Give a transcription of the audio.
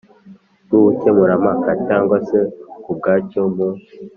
Rw ubukemurampaka cyangwa se ku bwacyo mu